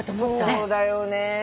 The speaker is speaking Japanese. そうだよね。